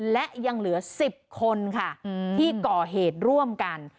และยังเหลือ๑๐คนค่ะที่ก่อเหตุร่วมกัน